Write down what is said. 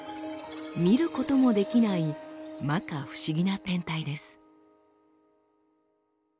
見ることもできない摩訶不思議な天体です。